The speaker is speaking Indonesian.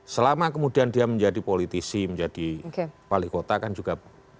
selama kemudian dia menjadi politisi menjadi palikota kan juga